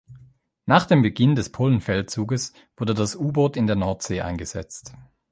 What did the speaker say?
Nach dem Beginn des Polenfeldzuges wurde das U-Boot in der Nordsee eingesetzt.